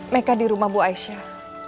mereka di rumah bu aisyah